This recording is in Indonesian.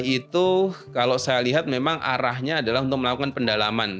itu kalau saya lihat memang arahnya adalah untuk melakukan pendalaman